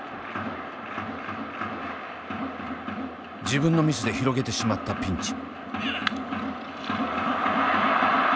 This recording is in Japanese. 自分のミスで広げてしまったピンチ。